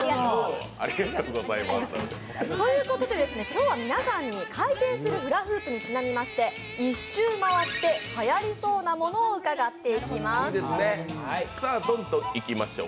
今日は皆さんに回転するフラフープにちなみまして、一周回ってはやりそうなものを伺っていきます。